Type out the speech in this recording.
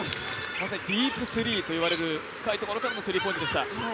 まさにディープスリーといわれる深いところからのスリーポイントでした。